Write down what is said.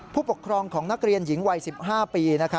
ผู้ปกครองของนักเรียนหญิงวัย๑๕ปี